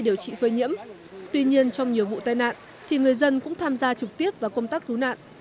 tuy nhiên trong nhiều vụ tai nạn thì người dân cũng tham gia trực tiếp và công tác cứu nạn